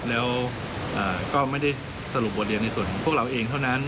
แล้วก็ไม่ได้สรุปบทเรียนในส่วนพวกเราเองเท่านั้น